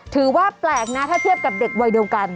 ถือว่าแปลกนะถ้าเทียบกับเด็กวัยเดียวกัน